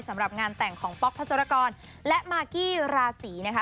สำหรับงานแต่งของป๊อกพัศรกรและมากกี้ราศีนะคะ